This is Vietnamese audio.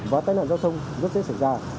và tai nạn giao thông rất dễ xảy ra